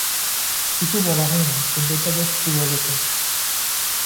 কিছু বলা হয়নি, কিন্তু এটা বেশ বোঝা গেছে।